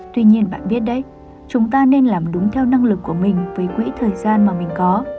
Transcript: tuy nhiên bạn biết đấy chúng ta nên làm đúng theo năng lực của mình với quỹ thời gian mà mình có